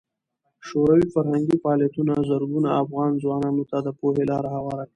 شوروي فرهنګي فعالیتونه زرګونو افغان ځوانانو ته د پوهې لار هواره کړه.